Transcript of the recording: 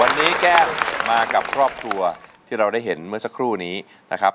วันนี้แก้มมากับครอบครัวที่เราได้เห็นเมื่อสักครู่นี้นะครับ